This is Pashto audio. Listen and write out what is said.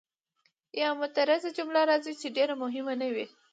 یا معترضه جمله راځي چې ډېره مهمه نه وي.